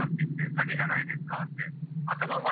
詐欺じゃないですか？